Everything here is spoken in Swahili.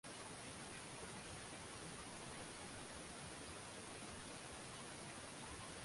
kwa kumtuma Mwanawe mwenyewe katika mfano wa mwili ulio wa dhambi na kwa sababu